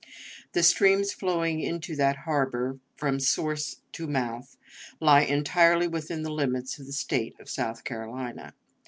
The streams flowing into that harbor, from source to mouth, lie entirely within the limits of the State of South Carolina.